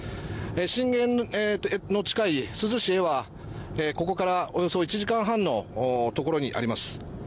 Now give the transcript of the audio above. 震源の近い珠洲市へはここからおよそ１時間半のところにあります。